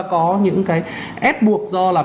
có những cái ép buộc do là